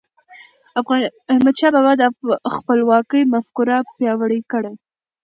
احمدشاه بابا د خپلواکی مفکوره پیاوړې کړه.